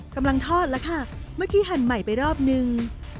กำลังทอดแล้วค่ะเมื่อกี้หั่นใหม่ไปรอบนึง